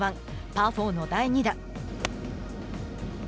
パー４の第２打。